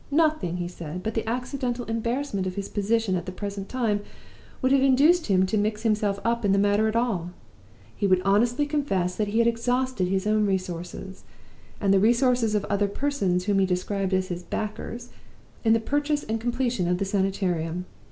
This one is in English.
Nothing, he said, but the accidental embarrassment of his position at the present time would have induced him to mix himself up in the matter at all. He would honestly confess that he had exhausted his own resources, and the resources of other persons whom he described as his 'backers,' in the purchase and completion of the Sanitarium.